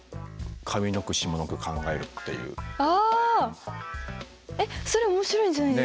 えっそれ面白いんじゃないですか？